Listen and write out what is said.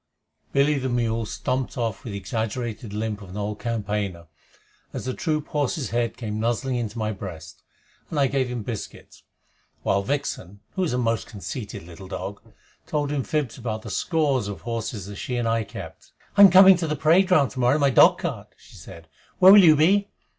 Billy the Mule stumped off with the swaggering limp of an old campaigner, as the troop horse's head came nuzzling into my breast, and I gave him biscuits, while Vixen, who is a most conceited little dog, told him fibs about the scores of horses that she and I kept. "I'm coming to the parade to morrow in my dog cart," she said. "Where will you be?"